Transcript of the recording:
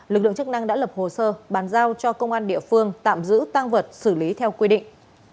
lực lượng chức năng đã lập hồ sơ bàn giao cho công an địa phương tạm giữ tăng vật xử lý theo quy định